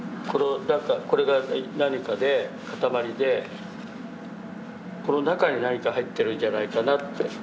これが何かで塊でこの中に何か入ってるんじゃないかなって。